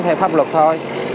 theo pháp luật thôi